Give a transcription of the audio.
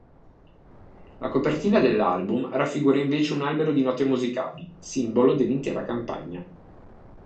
La copertina dell'album raffigura invece un albero di note musicali, simbolo dell'intera campagna.